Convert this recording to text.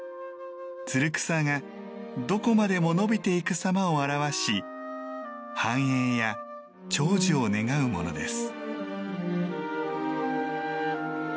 つる草がどこまでも伸びていくさまを表し繁栄や長寿を願うものです。